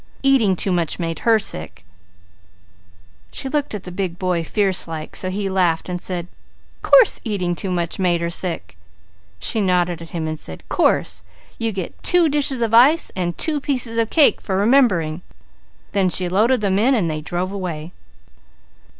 Eating too much made her sick.' She looked at the big boy fierce like so he laughed and said, 'Course eating too much made her sick!' She nodded at him and said, 'Course! You get two dishes of ice and two pieces of cake for remembering!' then she loaded them in and they drove away.